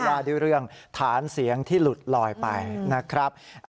ว่าด้วยเรื่องฐานเสียงที่หลุดลอยไปนะครับ